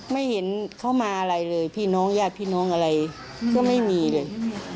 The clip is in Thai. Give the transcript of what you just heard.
ไม่เห็นเขามาอะไรเลยพี่น้องญาติพี่น้องอะไรก็ไม่มีเลย